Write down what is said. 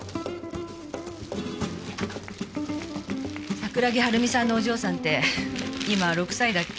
桜木春美さんのお嬢さんって今６歳だっけ？